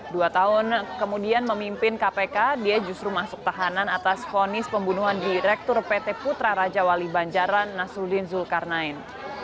dua tahun kemudian memimpin kpk dia justru masuk tahanan atas vonis pembunuhan direktur pt putra raja wali banjaran nasruddin zulkarnain